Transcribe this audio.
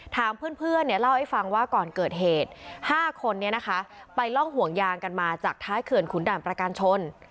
ถามเพื่อนเล่าให้ฟังว่าก่อนเกิดเหตุ๕คนนี้นะคะไปล่องห่วงยางกันมาจากท้ายเขื่อนขุนด่านประการชน